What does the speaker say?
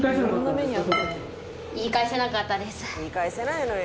「言い返せないのよ